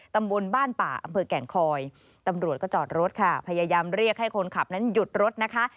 ตำบลบ้านป่าอำเภอแก่งคอยตำรวจก็จอดรถค่ะพยายามเรียกให้คนขับนั้นหยุดรถนะคะ